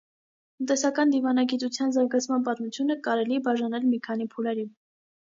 Տնտեսական դիվանագիտության զարգացման պատմությունը կարելի բաժանել մի քանի փուլերի։